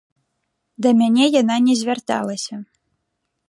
Да мяне яна не звярталася.